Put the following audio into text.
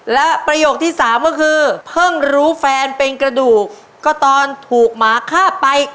และประโยคที่สามก็คือเพิ่งรู้แฟนเป็นกระดูกก็ตอนถูกหมาฆ่าไป